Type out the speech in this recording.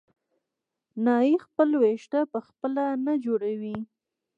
نایي خپل وېښته په خپله نه جوړوي.